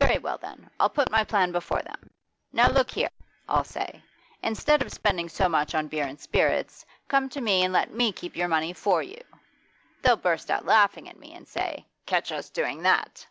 Very well, then, I'll put my plan before them. "Now look here," I'll say, "instead of spending so much on beer and spirits, come to me and let me keep your money for you!" They'll burst out laughing at me, and say, "Catch us doing that!"